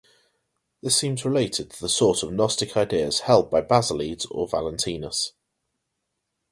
This seems related to the sort of gnostic ideas held by Basilides or Valentinus.